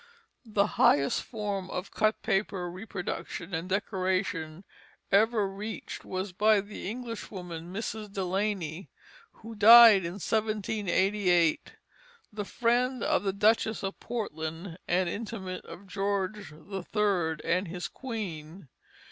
The highest form of cut paper reproduction and decoration ever reached was by the English woman, Mrs. Delaney, who died in 1788, the friend of the Duchess of Portland, and intimate of George III. and his queen.